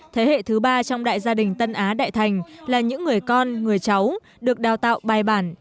thế hệ thứ ba trong đại gia đình tân á đại thành là những người con người cháu được đào tạo bài bản